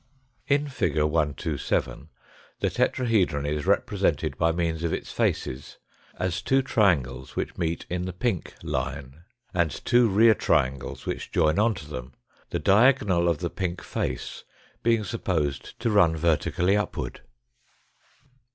Front view. The rear faces. Fig. 127. In fig. 127 the tetrahedron is represented by means of its faces as two triangles which meet in the p. line, and two rear triangles which join on to them, the diagonal of the pink face being supposed to run vertically upward.